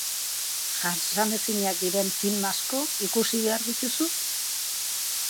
Jasanezinak diren film asko ikusi behar dituzu?